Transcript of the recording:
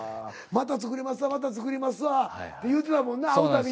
「また作りますわまた作りますわ」って言うてたもんな会う度に。